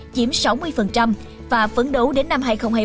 chiếm sáu mươi và phấn đấu đến năm hai nghìn hai mươi